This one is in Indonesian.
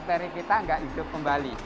agar bakteri kita tidak hidup kembali